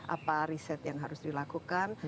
apa riset yang harus dilakukan